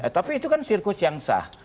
tapi itu kan sirkus yang sah